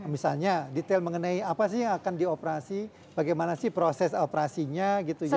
misalnya detail mengenai apa sih yang akan dioperasi bagaimana sih proses operasinya gitu ya